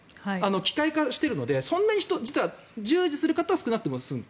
機械化しているのでそんなに人は従事する方は少なくて済む。